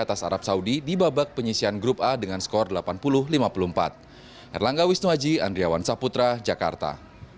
perbasi akan mencari pemain pemain keturunan indonesia yang ada di luar negeri untuk bisa ke indonesia